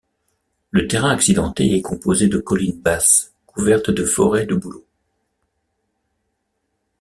Le terrain accidenté est composé de collines basses couvertes de forêts de bouleaux.